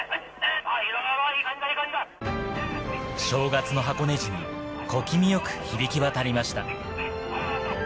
正月の箱根路に小気味よく響き渡りました。